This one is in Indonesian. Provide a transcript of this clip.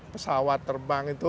pesawat terbang itu